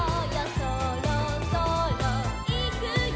「そろそろいくよ」